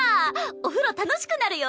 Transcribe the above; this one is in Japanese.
お風呂楽しくなるよ。